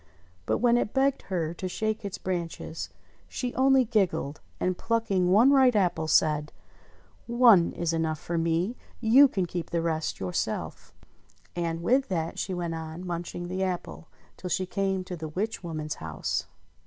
But when it begged her to shake its branches, she only giggled, and plucking one ripe apple, said : "One is enough for me : you can keep the rest yourself." And with that she went on munching the apple, till she came to the witch woman's house.